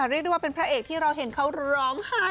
เรียกได้ว่าเป็นพระเอกที่เราเห็นเขาร้องไห้